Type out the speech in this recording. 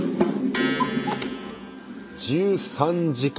１３時間！